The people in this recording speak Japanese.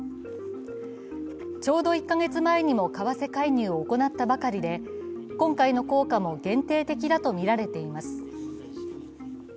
ちょうど１か月前にも為替介入を行ったばかりで今回の効果も限定的だとみられています。